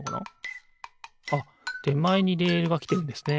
あってまえにレールがきてるんですね。